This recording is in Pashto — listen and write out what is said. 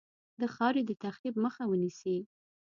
د خاورې د تخریب مخه ونیسي.